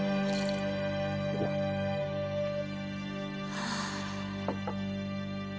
はあ。